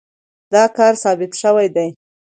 دا کار ثبت شوی دی.